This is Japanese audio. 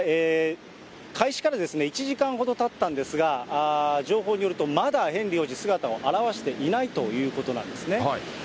開始から１時間ほどたったんですが、情報によると、まだヘンリー王子、姿を現していないということなんですね。